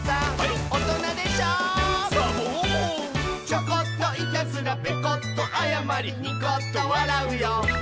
「チョコッといたずらペコッとあやまりニコッとわらうよ」